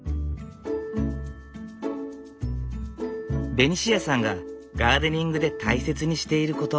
ベニシアさんがガーデニングで大切にしていること。